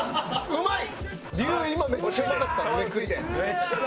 うまい！